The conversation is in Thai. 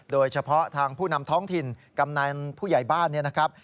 โดยเฉพาะทางผู้นำท้องถิ่นกำนันผู้ใหญ่บ้านเนี่ยนะครับ